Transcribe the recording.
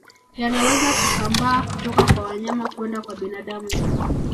Yanaweza kusambaa kutoka kwa wanyama kwenda kwa binadamu